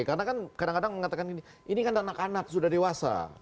karena kan kadang kadang mengatakan ini kan anak anak sudah dewasa